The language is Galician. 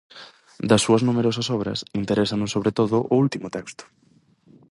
Das súas numerosas obras, interésanos sobre todo o último texto.